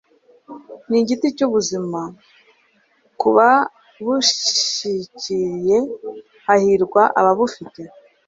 ni igiti cy'ubuzima ku babushyikiriye hahirwa ababufite